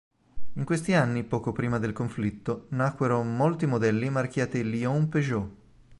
In questi anni poco prima del conflitto nacquero molti modelli marchiati Lion-Peugeot.